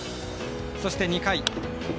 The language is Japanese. そして、２回。